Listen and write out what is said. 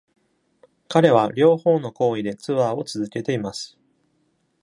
彼は両方の行為でツアーを続けています。